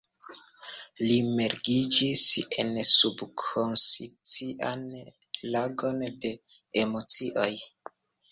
Li mergiĝis en subkonscian lagon de emocioj.